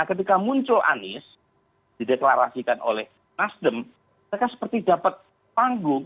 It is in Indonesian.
ketika muncul anies dideklarasikan oleh nasdem mereka seperti dapat panggung